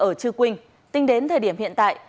ở chư quynh tính đến thời điểm hiện tại